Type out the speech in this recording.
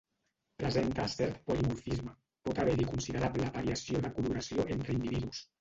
Presenta cert polimorfisme, pot haver-hi considerable variació de coloració entre individus.